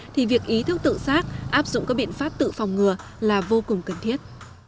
thì việc ý thức tự giác áp dụng các biện pháp tự phòng ngừa là vô cùng cần thiết